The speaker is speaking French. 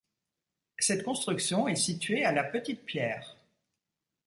Cette construction est située à La Petite-Pierre.